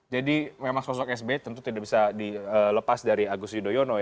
jadi memang sosok sby tentu tidak bisa dilepas dari agus yudhoyono